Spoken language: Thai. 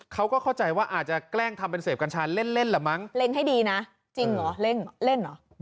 เขาก็เข้าใจว่าอาจจะแกล้งทำเป็นเสพกัญชาเล่นเล่นละมั้งเล็งให้ดีนะจริงเหรอเล่นเล่นเหรอ